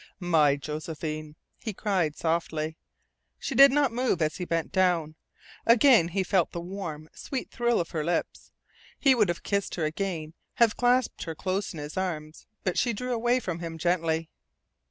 "My Josephine," he cried softly. She did not move as he bent down. Again he felt the warm, sweet thrill of her lips. He would have kissed her again, have clasped her close in his arms, but she drew away from him gently.